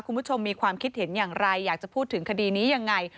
คุณผู้ชมมีความคิดเห็นอย่างไรอยากจะพูดถึงคดีนี้ยังไง